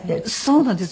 そうなんです。